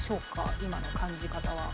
今の感じ方は。